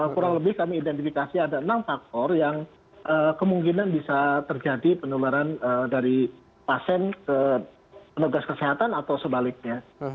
kurang lebih kami identifikasi ada enam faktor yang kemungkinan bisa terjadi penularan dari pasien ke petugas kesehatan atau sebaliknya